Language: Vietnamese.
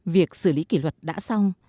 việc xử lý kỷ luật đã xong